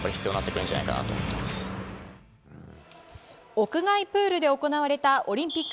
屋外プールで行われたオリンピック